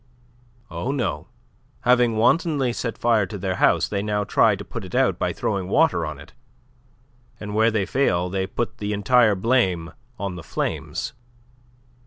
"Oh, no. Having wantonly set fire to their house, they now try to put it out by throwing water on it; and where they fail they put the entire blame on the flames."